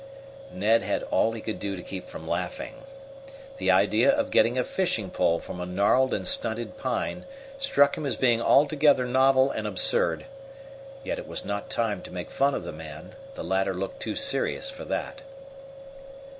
Ned had all he could do to keep from laughing. The idea of getting a fishing pole from a gnarled and stunted pine struck him as being altogether novel and absurd. Yet it was not time to make fun of the man. The latter looked too serious for that.